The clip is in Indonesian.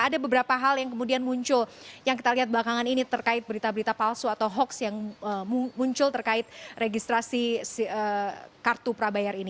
ada beberapa hal yang kemudian muncul yang kita lihat belakangan ini terkait berita berita palsu atau hoax yang muncul terkait registrasi kartu prabayar ini